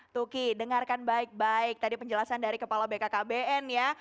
tuki dengarkan baik baik tadi penjelasan dari kepala bkkbn ya